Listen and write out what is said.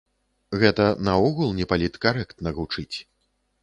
Гэта наогул непаліткарэктна гучыць.